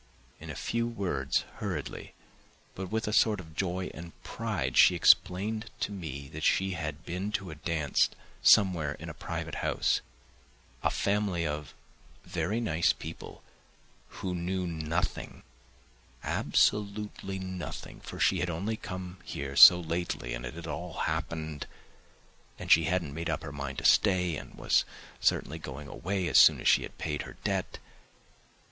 In a few words, hurriedly, but with a sort of joy and pride, she explained to me that she had been to a dance somewhere in a private house, a family of "very nice people, who knew nothing, absolutely nothing, for she had only come here so lately and it had all happened ... and she hadn't made up her mind to stay and was certainly going away as soon as she had paid her debt..."